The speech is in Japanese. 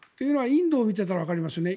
インドを見ていたらわかりますね。